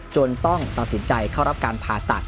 ต้องตัดสินใจเข้ารับการผ่าตัด